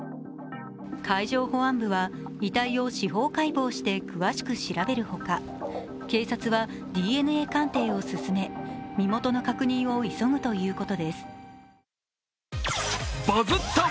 海上保安部は遺体を司法解剖して詳しく調べるほか警察はＤＮＡ鑑定を進め身元の確認を急ぐということです。